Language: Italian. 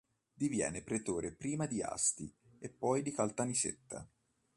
Diviene pretore prima di Asti e poi di Caltanissetta.